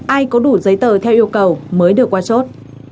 ai có đủ giấy tờ theo yêu cầu mới được qua chốt